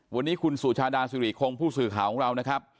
วันนี้สุชาดาศิริครองผู้สื่อขาวของเรา